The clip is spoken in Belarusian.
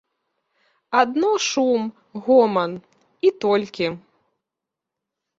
Адно шум, гоман, і толькі.